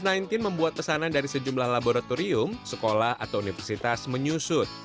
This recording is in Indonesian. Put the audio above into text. covid sembilan belas membuat pesanan dari sejumlah laboratorium sekolah atau universitas menyusut